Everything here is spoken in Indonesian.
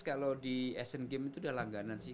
kalau di asian games itu udah langganan sih